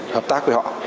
hợp tác với họ